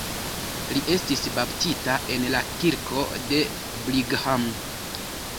Li estis baptita en la kirko de Brigham.